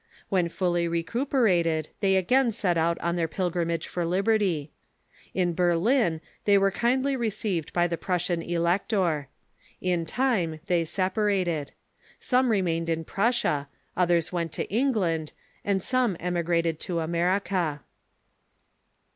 When fully recuper ated, they again set out on their pilgrimage for liberty. In Berlin they wei'e kindly received by the Prussian elector. In time they separated. Some remained in Prussia, others went to England, and some emigrated to America.